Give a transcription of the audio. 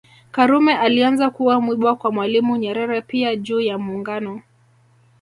karume alianza kuwa mwiba kwa Mwalimu Nyerere pia juu ya Muungano